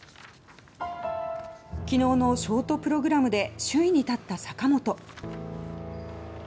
昨日のショートプログラムで首位に立った坂本。